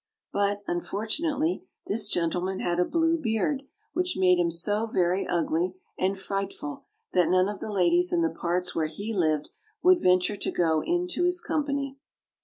But, unfortunately, this gentleman had a blue beard, which made him so very ugly and frightful that none of the ladies in the parts where he lived would venture to go into his company.